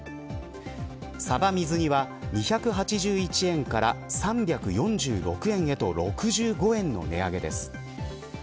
さば水煮は、２８１円から３４６円へと６５円の値上げです。